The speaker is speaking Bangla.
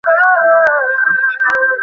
গত তিন মাস ভরতনাট্যমে হাতখড়ি নিয়েছেন সাধনায়।